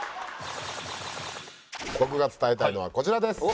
僕が伝えたいのはこちらです。